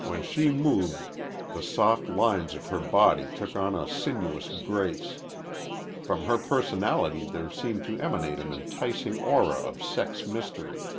When she moved, the soft lines of her body took on a sinuous grace. From her personality there seemed to emanate an enticing aura of sex mystery.